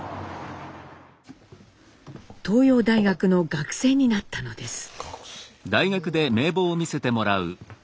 東洋大学の学生になったのです。